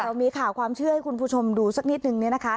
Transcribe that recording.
เรามีข่าวความเชื่อให้คุณผู้ชมดูสักนิดนึงเนี่ยนะคะ